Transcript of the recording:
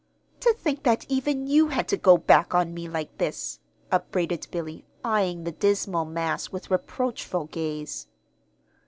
"To think that even you had to go back on me like this!" upbraided Billy, eyeing the dismal mass with reproachful gaze.